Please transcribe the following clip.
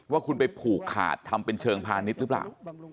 ว่าคุณไปผูกขาดทำเป็นเชิงพาณิชย์หรือเปล่า